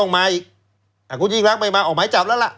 ไม่มาออกหมายจับแล้วล่ะ